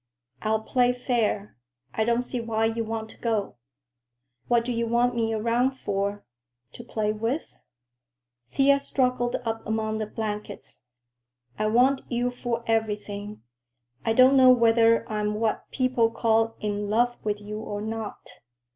"I'll play fair. I don't see why you want to go." "What do you want me around for?—to play with?" Thea struggled up among the blankets. "I want you for everything. I don't know whether I'm what people call in love with you or not.